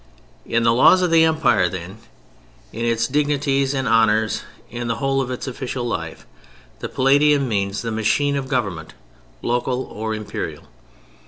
In the laws of the Empire then, in its dignities and honors, in the whole of its official life, the Palatium means the machine of government, local or imperial.